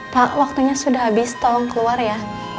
pak waktunya sudah habis tolong keluar ya